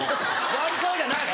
悪そうじゃない。